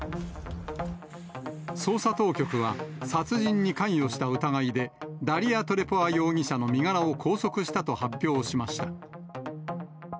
捜査当局は、殺人に関与した疑いで、ダリヤ・トレポワ容疑者の身柄を拘束したと発表しました。